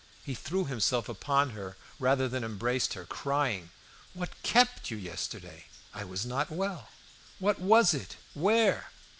He threw himself upon her rather than embraced her, crying "What kept you yesterday?" "I was not well." "What was it? Where?